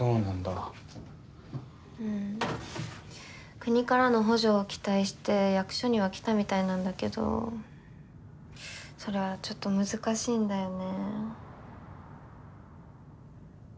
国からの補助を期待して役所には来たみたいなんだけどそれはちょっと難しいんだよね。